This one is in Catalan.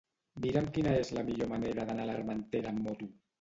Mira'm quina és la millor manera d'anar a l'Armentera amb moto.